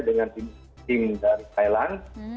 dengan tim dari thailand